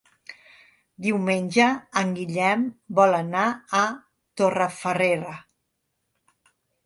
Diumenge en Guillem vol anar a Torrefarrera.